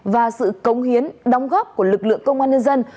và sự cống hiến đóng góp của lực lượng công an nhân dân